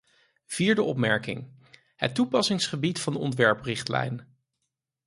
Vierde opmerking: het toepassingsgebied van de ontwerprichtlijn.